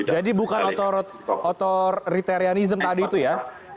jadi bukan otoriterianism tadi itu ya